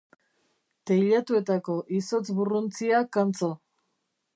Teilatuetako izotz burruntziak antzo.